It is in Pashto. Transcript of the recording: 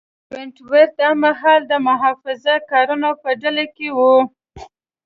ونټ ورت دا مهال د محافظه کارانو په ډله کې و.